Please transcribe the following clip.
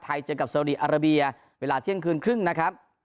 เจอกับสาวดีอาราเบียเวลาเที่ยงคืนครึ่งนะครับ